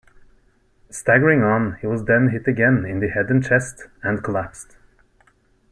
Staggering on he was then hit again in the head and chest and collapsed.